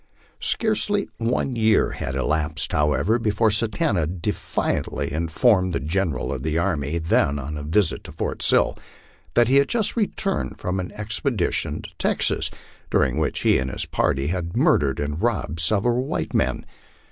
Scarcely one year had elapsed, however, before Satanta defiantly inform ed the General of the Army, then on a visit to Fort Sill, that he had just re turned from an expedition to Texas, during which he and his party had murdered and robbed several white men.